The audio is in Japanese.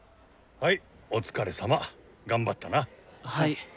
はい。